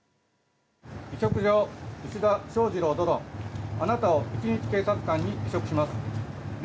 委嘱状、石田翔二朗殿あなたを一日警察官に委嘱します。